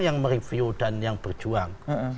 yang mereview dan yang berjuang